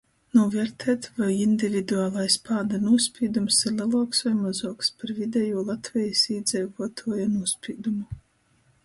Nūviertēt, voi individualais pāda nūspīdums ir leluoks voi mozuoks par videjū Latvejis īdzeivuotuoja nūspīdumu.